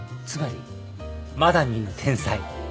つまりまだ見ぬ天才。